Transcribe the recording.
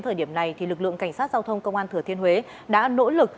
thời điểm này lực lượng cảnh sát giao thông công an thừa thiên huế đã nỗ lực